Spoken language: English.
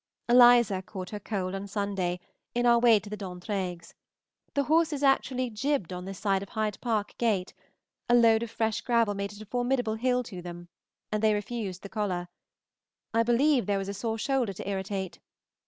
Eliza caught her cold on Sunday in our way to the D'Entraigues. The horses actually gibbed on this side of Hyde Park Gate: a load of fresh gravel made it a formidable hill to them, and they refused the collar; I believe there was a sore shoulder to irritate.